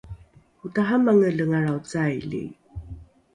otaramangelengalrao caili